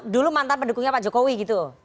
dulu mantan pendukungnya pak jokowi gitu